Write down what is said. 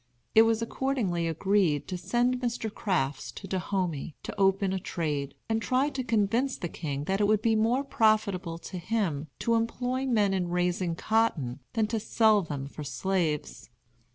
It was accordingly agreed to send Mr. Crafts to Dahomey to open a trade, and try to convince the king that it would be more profitable to him to employ men in raising cotton than to sell them for slaves.